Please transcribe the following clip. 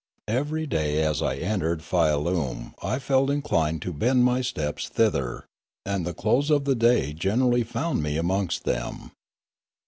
Every day as I entered Fialume I felt inclined to bend my steps thither, and the close of the day generally found me amongst them.